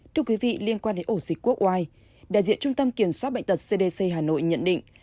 thưa quý vị liên quan đến ổ dịch quốc oai đại diện trung tâm kiểm soát bệnh tật cdc hà nội nhận định